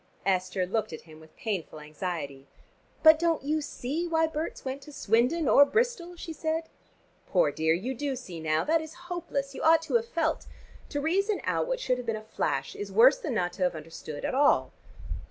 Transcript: Esther looked at him with painful anxiety. "But don't you see why Berts went to Swindon or Bristol?" she said. "Poor dear, you do see now. That is hopeless. You ought to have felt. To reason out what should have been a flash, is worse than not to have understood at all."